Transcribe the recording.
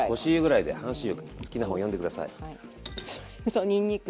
そうにんにく。